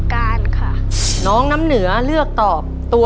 อบราวศาสนกว่า